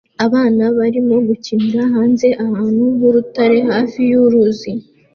Abana barimo gukinira hanze ahantu h'urutare hafi y'uruzi